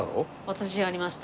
私ありました。